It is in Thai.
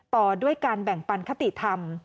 ต่อด้วยการแบ่งปันคติธรรม